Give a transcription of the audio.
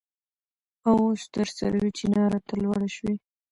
او اوس تر سروې چينار ته لوړه شوې.